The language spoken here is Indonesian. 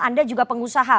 anda juga pengusaha